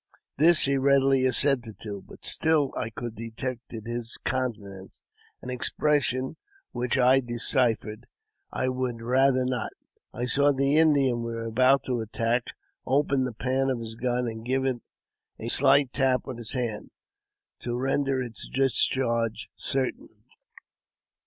This he readily assented to, but still I could detect in hi countenance an expression which I deciphered, "I would rather not." I saw the Indian we were about to attack open the pan of his gun, and give it a slight tap with his hand tO' render its discharge certain.